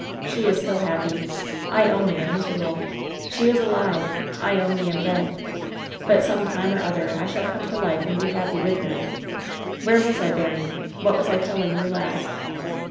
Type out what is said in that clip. She is still happy. I only am misera ble. She is alive I I only am dead I But some time or other I shall come to life and be happy with her. Where was I, baimie ? What was I telling you last